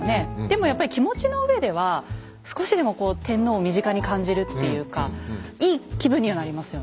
でもやっぱり気持ちの上では少しでもこう天皇を身近に感じるっていうかいい気分にはなりますよね。